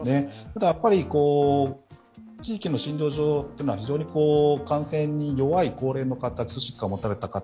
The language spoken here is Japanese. ただ、地域の診療所というのは非常に感染に弱い高齢の方、基礎疾患を持たれた方、